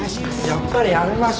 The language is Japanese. やっぱりやめましょう。